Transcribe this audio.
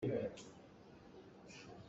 Kan bailep hrung kan ṭhunh lai.